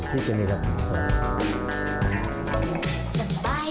พี่เคยมีอย่างแบบ